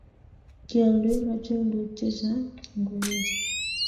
Kioldoi machungwek chechang ngoeche